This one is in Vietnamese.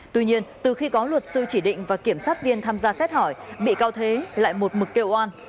tuy nhiên từ khi có luật sư chỉ định và kiểm sát viên tham gia xét hỏi bị cáo thế lại một mực kêu oan